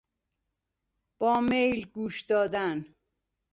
با میل گوش دادن